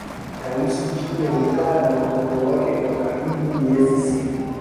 Tausi jike hukaa na watoto wake kwa karibu miezi sita